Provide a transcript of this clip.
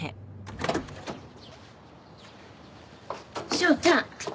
翔ちゃん。